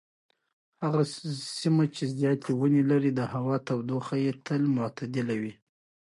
هغه سیمه چې زیاتې ونې لري د هوا تودوخه یې تل معتدله وي.